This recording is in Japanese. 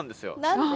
何で？